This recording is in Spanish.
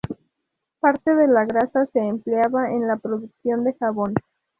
Parte de la grasa se empleaba en la producción de jabón.